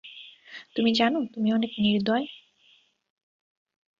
তুমি জানো তুমি অনেক নির্দয়।